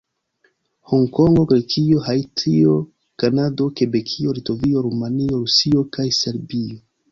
Honkongo, Grekio, Haitio, Kanado, Kebekio, Litovio, Rumanio, Rusio kaj Serbio.